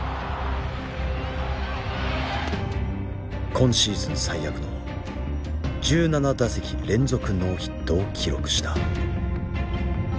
今シーズン最悪の１７打席連続ノーヒットを記録した。